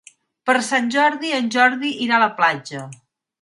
Per Sant Jordi en Jordi irà a la platja.